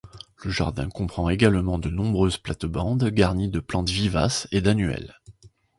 Le jardin comprend également de nombreuses plates-bandes garnies de plantes vivaces et d'annuelles.